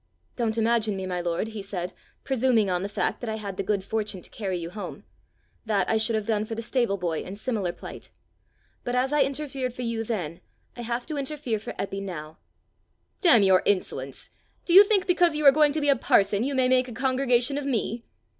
"Don't imagine me, my lord," he said, "presuming on the fact that I had the good fortune to carry you home: that I should have done for the stable boy in similar plight. But as I interfered for you then, I have to interfere for Eppie now." "Damn your insolence! Do you think because you are going to be a parson, you may make a congregation of me!"